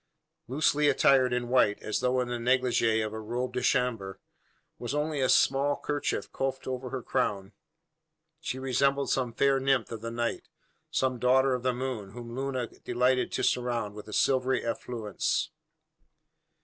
Loosely attired in white, as though in the neglige of a robe de chambre, with only a small kerchief coifed over her crown, she resembled some fair nymph of the night, some daughter of the moon, whom Luna delighted to surround with a silvery effulgence!